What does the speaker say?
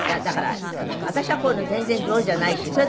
だから私はこういうの全然上手じゃないし。